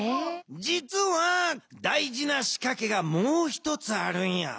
じつは大事なしかけがもう一つあるんや。